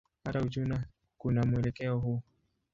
Hata Uchina kuna mwelekeo huu.